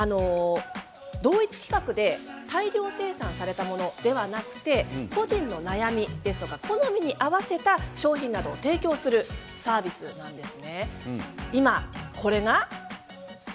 同一規格で大量生産されたものではなくて個人の悩みですとか好みに合わせた商品などを提供するサービスなんです。